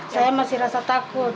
saya masih rasa takut